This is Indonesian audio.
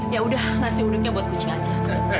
yaudah nasi uduknya buat kucing aja